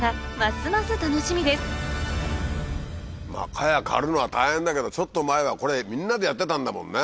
茅刈るのは大変だけどちょっと前はこれみんなでやってたんだもんね。